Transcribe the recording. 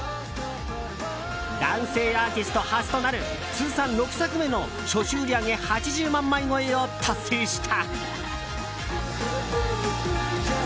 男性アーティスト初となる通算６作目の初週売り上げ８０万枚超えを達成した。